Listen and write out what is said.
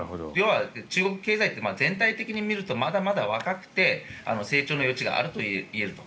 中国経済って全体的に見るとまだまだ若くて成長の余地があるといえると。